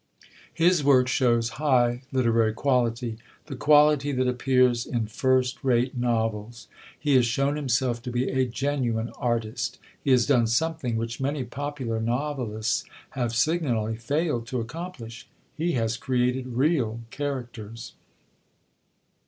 His work shows high literary quality, the quality that appears in first rate novels. He has shown himself to be a genuine artist. He has done something which many popular novelists have signally failed to accomplish he has created real characters.